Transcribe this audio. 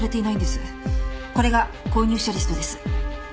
これが購入者リストです。